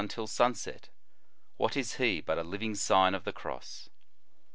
97 until sunset, what is he but a living Sign of the Cross